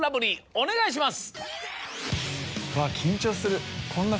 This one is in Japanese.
お願いします。